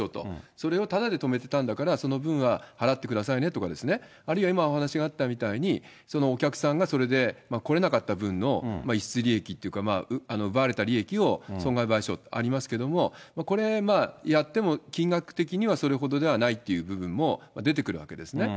それをただで止めてたんだから、その分は払ってくださいねとかですね、あるいは今、お話があったみたいに、お客さんがそれで来れなかった分の逸失利益というか、奪われた利益を損害賠償ありますけど、これ、やっても金額的にはそれほどではないという部分も出てくるわけですね。